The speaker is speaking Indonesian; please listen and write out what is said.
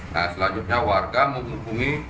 nah selanjutnya warga menghubungi